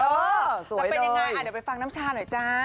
จะเป็นยังไงเดี๋ยวไปฟังน้ำชาหน่อยจ้า